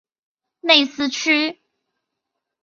内斯屈。